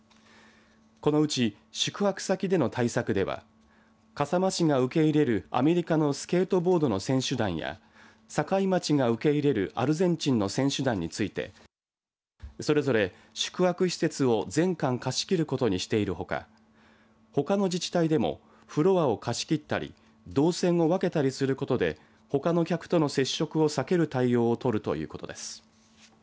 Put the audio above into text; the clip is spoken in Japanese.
このうち宿泊先での対策では笠間市が受け入れるアメリカのスケートボードの選手団や境町が受け入れるアルゼンチンの選手団についてそれぞれ宿泊施設を全館貸し切ることにしているほかほかの自治体でもフロアを貸し切ったり動線を分けたりすることでほかの客との接触を避ける対応を取るということです。